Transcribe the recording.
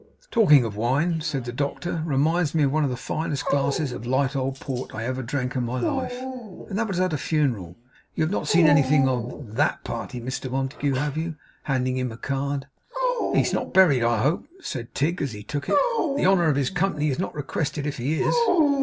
'Talking of wine,' said the doctor, 'reminds me of one of the finest glasses of light old port I ever drank in my life; and that was at a funeral. You have not seen anything of of THAT party, Mr Montague, have you?' handing him a card. 'He is not buried, I hope?' said Tigg, as he took it. 'The honour of his company is not requested if he is.